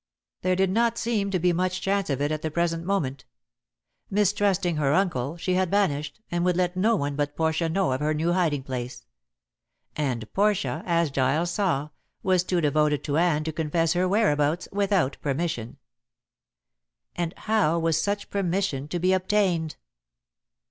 There did not seem to be much chance of it at the present moment. Mistrusting her uncle, she had vanished, and would let no one but Portia know of her new hiding place. And Portia, as Giles saw, was too devoted to Anne to confess her whereabouts without permission. And how was such permission to be obtained?